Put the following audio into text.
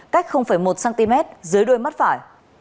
cách một cm dưới đôi mắt phải